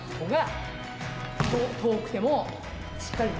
遠くてもしっかりと。